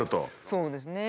そうですね。